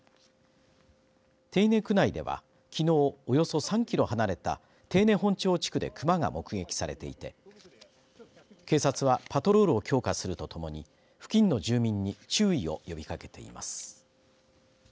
手稲区内ではきのうおよそ３キロ離れた手稲本町地区でクマが目撃されていて警察はパトロールを強化するとともに付近の住民に注意を呼びかけています。